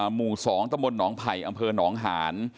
หมู่๒ตะมนตหนองไผ่อำเภอหนองหาน